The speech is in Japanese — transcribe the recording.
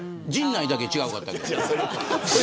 陣内だけ違かったけど。